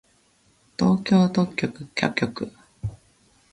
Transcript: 東京特許許可局